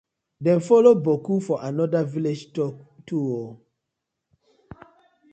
Dem follow boku for another villag too oo.